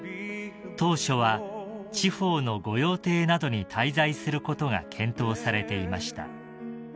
［当初は地方の御用邸などに滞在することが検討されていました］